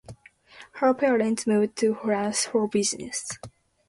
Her parents moved to France for business.